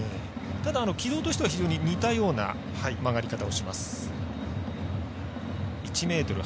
ただ、軌道としては非常に似たような曲がり方をします。